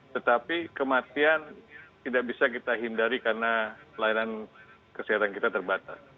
tetapi kematian tidak bisa kita hindari karena layanan kesehatan kita terbatas